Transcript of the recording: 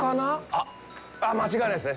あっ、間違いないですね。